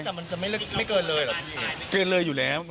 แต่มันจะไม่เกินเลยหรือ